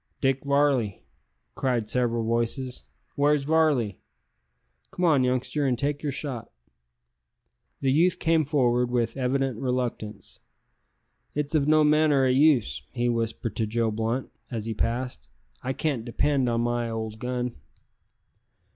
"Dick Varley," cried several voices; "where's Varley? Come on, youngster, an' take yer shot." The youth came forward with evident reluctance. "It's of no manner o' use," he whispered to Joe Blunt as he passed, "I can't depend on my old gun."